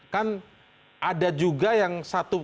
kan ada juga yang satu